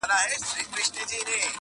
چي پاچا وي څوک په غېږ کي ګرځولی!